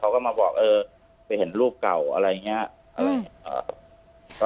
เขาก็มาบอกเออไปเห็นรูปเก่าอะไรอย่างนี้อะไรอย่างนี้